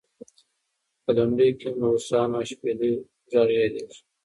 په لنډیو کې هم د اوښانو او شپېلۍ غږ یادېږي.